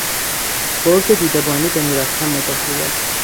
برج دیدهبانی به نور افکن مجهز است.